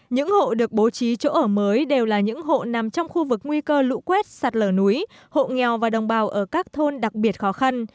những hộ được bố trí chỗ ở mới đều là những hộ nằm trong khu vực nguy cơ lũ quét sạt lở núi hộ nghèo và đồng bào ở các thôn đặc biệt khó khăn